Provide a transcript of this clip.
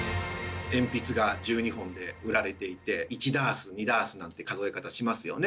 鉛筆が１２本で売られていて１ダース２ダースなんて数え方しますよね。